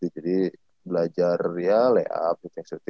jadi belajar ya lay up